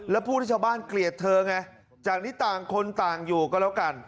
แล้วผู้ที่ชาวบ้านเกลียดเธอไงจากนี้ต่างคนต่างอยู่ก็แล้วกัน